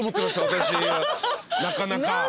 私なかなか。